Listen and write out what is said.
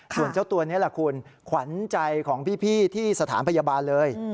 ส่วนเจ้าตัวนี้ล่ะคุณขวัญใจของพี่ที่สถานพยาบาลเลย